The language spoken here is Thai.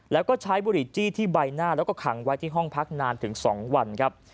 แล้วก็ใช้บุหรี่จี้ที่ใบหน้าแล้วก็ขังไว้ที่ห้องพักนานถึง๒วันครับ